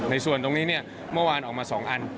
ในส่วนตรงนี้เนี่ยเมื่อวานออกมา๒อัน